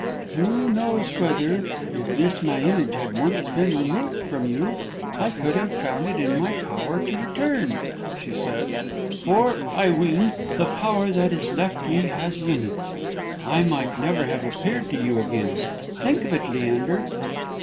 "Who knows whether, if this my image had once been removed from you, I could have found it in my power to return?" she said; "for, I ween, the power that is left me has limits. I might never have appeared to you again. Think of it, Leander."